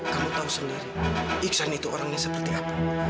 kamu tahu sendiri iksan itu orangnya seperti apa